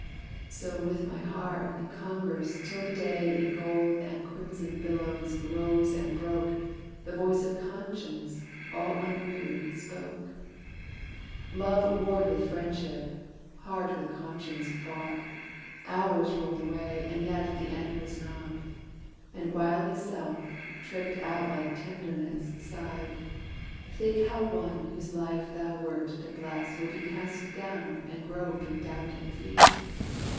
So with my heart, in converse, till the day In gold and crimson billows, rose and broke, The voice of Conscience, all unwearied, spoke. Love warred with Friendship: heart with Conscience fought, Hours rolled away, and yet the end was not. And wily Self, tricked out like tenderness, Sighed, "Think how one, whose life thou wert to bless, Will be cast down, and grope in doubt and fear!